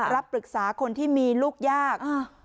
รับปรึกษาคนที่มีลูกยาก